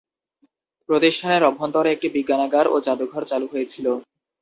প্রতিষ্ঠানের অভ্যন্তরে একটি বিজ্ঞানাগার ও যাদুঘর চালু হয়েছিল।